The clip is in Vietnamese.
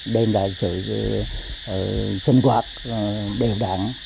đem lại sự sinh hoạt đều đẳng